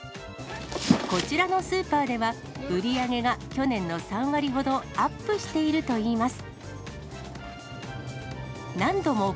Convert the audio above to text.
こちらのスーパーでは、売り上げが去年の３割ほどアップしているといいます。